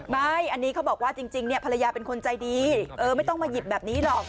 ไม่อันนี้เขาบอกว่าจริงภรรยาเป็นคนใจดีไม่ต้องมาหยิบแบบนี้หรอก